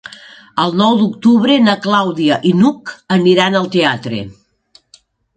El nou d'octubre na Clàudia i n'Hug aniran al teatre.